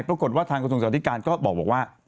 ปรากฏว่าทางกฎสงสัตว์ธิการก็บอกว่า